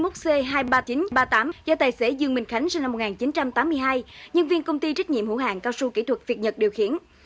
hai mươi một c hai mươi ba nghìn chín trăm ba mươi tám do tài xế dương minh khánh sinh năm một nghìn chín trăm tám mươi hai nhân viên công ty trách nhiệm hữu hạng cao su kỹ thuật việt nhật điều khiển